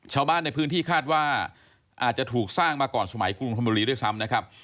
ชาวบ้านในพื้นที่คาดว่าอาจจะถูกสร้างมาก่อนสมัยกุลุมธรรมดิด้วยซ้ำ